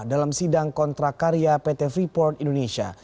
dalam sidang kontrak karya pt freeport indonesia